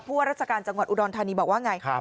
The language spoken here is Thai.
พวกราชการจังหวัดอุดรธานีบอกว่าอย่างไร